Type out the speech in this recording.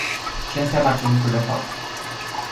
Ce înseamnă acest lucru de fapt?